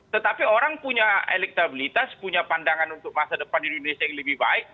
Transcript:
tetapi orang punya elektabilitas punya pandangan untuk masa depan di indonesia yang lebih baik